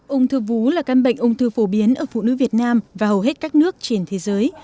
ung thư vú là căn bệnh ung thư phổ biến ở phụ nữ việt nam và hầu hết các nước trên thế giới